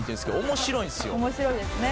面白いですね。